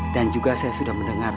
dan juga saya sudah mendengar